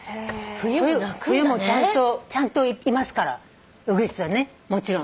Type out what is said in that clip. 冬もちゃんといますからウグイスはねもちろん。